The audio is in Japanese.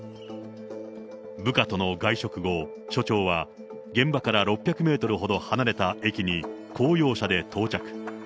部下との外食後、署長は現場から６００メートルほど離れた駅に公用車で到着。